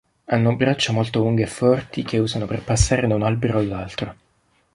Hanno braccia molto lunghe e forti che usano per passare da un albero all'altro.